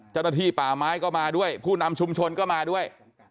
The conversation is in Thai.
เจ้าหน้าที่ป่าไม้ก็มาด้วยผู้นำชุมชนก็มาด้วย